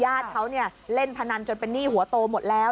ญาติเขาเล่นพนันจนเป็นหนี้หัวโตหมดแล้ว